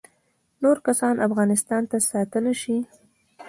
نور کسان افغانستان ته ستانه شي